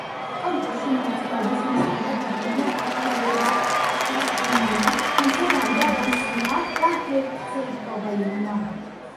კონკურსში მონაწილეობის მისაღებად დაბრუნდნენ პორტუგალია და რუმინეთი, თუმცა გავიდა ბოსნია და ჰერცეგოვინა.